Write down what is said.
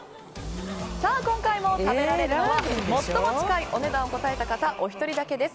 今回も食べられるのは最も近いお値段を答えた方お一人だけです。